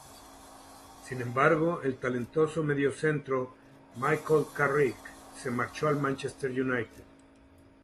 Sin embargo, el talentoso mediocentro Michael Carrick se marchó al Manchester United.